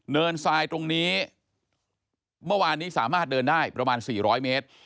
ทรายตรงนี้เมื่อวานนี้สามารถเดินได้ประมาณ๔๐๐เมตร